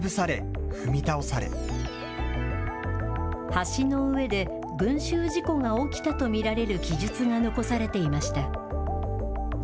橋の上で、群集事故が起きたと見られる記述が残されていました。